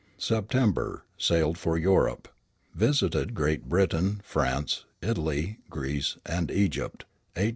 September. Sailed for Europe. Visited Great Britain, France, Italy, Greece, and Egypt, 1886 87.